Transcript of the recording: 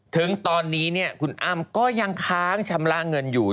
ถึงตอนนี้คุณอ้ำก็ยังค้างชำระเงินอยู่